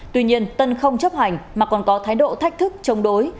tuy nhiên tân không chấp hành mà còn có thái độ thách thức chống đối